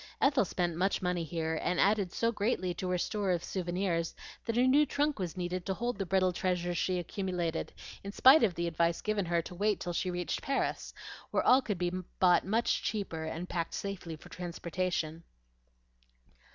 Ethel spent much money here, and added so greatly to her store of souvenirs that a new trunk was needed to hold the brittle treasures she accumulated in spite of the advice given her to wait till she reached Paris, where all could be bought much cheaper and packed safely for transportation.